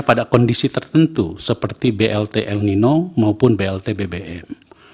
pada kondisi tertentu seperti blt el nino maupun blt bbm